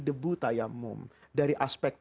debu tayammum dari aspek